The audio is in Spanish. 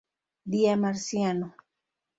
Día marciano